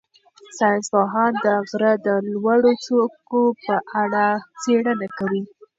ساینس پوهان د غره د لوړو څوکو په اړه څېړنه کوي.